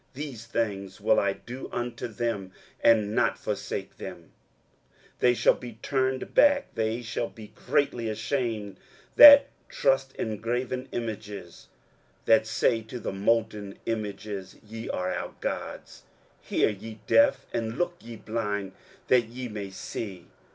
These things will I do unto them, and not forsake them. 23:042:017 They shall be turned back, they shall be greatly ashamed, that trust in graven images, that say to the molten images, Ye are our gods. 23:042:018 Hear, ye deaf; and look, ye blind, that ye may see.